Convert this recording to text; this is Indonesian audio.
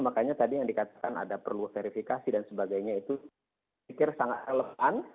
makanya tadi yang dikatakan ada perlu verifikasi dan sebagainya itu pikir sangat relevan